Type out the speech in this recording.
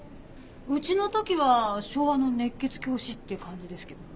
うちの時は昭和の熱血教師って感じですけど。